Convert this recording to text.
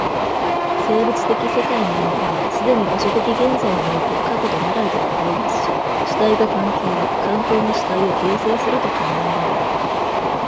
生物的世界においては既に場所的現在において過去と未来とが対立し、主体が環境を、環境が主体を形成すると考えられる。